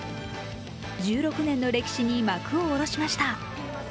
１６年の歴史に幕を下ろしました。